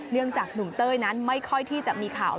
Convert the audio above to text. เนื่องจากหนุ่มเต้ยนั้นไม่ค่อยที่จะมีข่าว